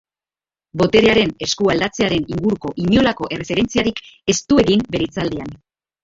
Boterearen esku aldatzearen inguruko inolako erreferentziarik ez du egin bere hitzaldian.